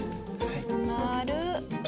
丸。